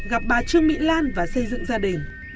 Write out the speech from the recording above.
gặp bà trương mỹ lan và xây dựng gia đình